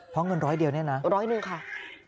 เพราะเงินร้อยเดียวเนี่ยนะร้อยหนึ่งค่ะ